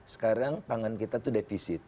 sekarang pangan kita tuh defisit